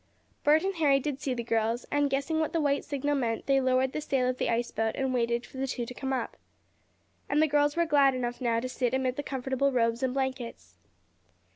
Bert and Harry did see the girls, and, guessing what the white signal meant, they lowered the sail of the ice boat and waited for the two to come up. And the girls were glad enough now to sit amid the comfortable robes and blankets.